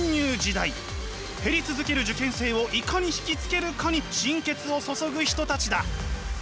減り続ける受験生をいかに引き付けるかに心血を注ぐ人たちだ。